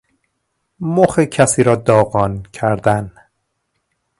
مخ کسی را داغان کردن